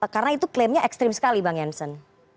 karena itu klaimnya ekstrim sekali bang janssen